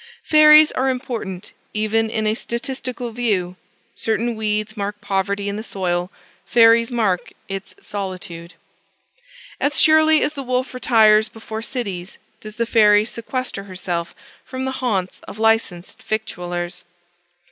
Fairies are important, even in a statistical view; certain weeds mark poverty in the soil, fairies mark its solitude. As surely as the wolf retires before cities, does the fairy sequester herself from the haunts of licensed victuallers.